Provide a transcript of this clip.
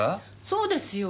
そうですよ。